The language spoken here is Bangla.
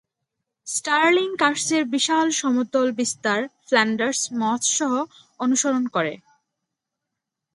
স্টার্লিং কার্সের বিশাল সমতল বিস্তার ফ্ল্যান্ডার্স মস সহ অনুসরণ করে।